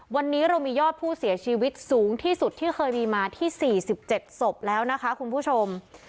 วันนี้เรามียอดผู้เสียชีวิตสูงที่สุดที่เคยมีมาที่๔๗ศพแล้วนะคะคุณผู้ชม